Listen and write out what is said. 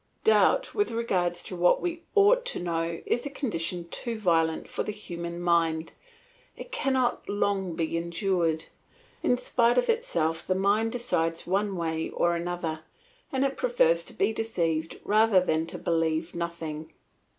Doubt with regard to what we ought to know is a condition too violent for the human mind; it cannot long be endured; in spite of itself the mind decides one way or another, and it prefers to be deceived rather than to believe nothing.